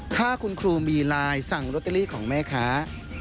ถ้าคุณครูมีไลน์สั่งลอตเตอรี่ของแม่ค้า